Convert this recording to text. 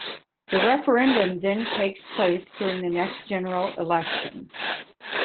The referendum then takes place during the next general election.